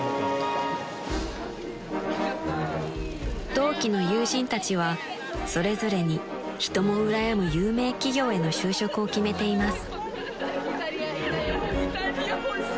［同期の友人たちはそれぞれに人もうらやむ有名企業への就職を決めています］